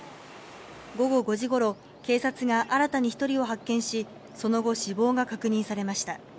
午後５時頃、警察が新たに１人を発見し、その後死亡が確認されました。